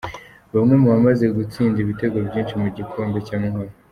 Bamwe mu bamaze gutsinda ibitego byinshi mu gikombe cy’Amahoro.